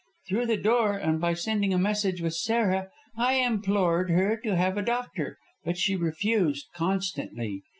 Through the door, and by sending a message with Sarah, I implored her to have a doctor, but she refused constantly.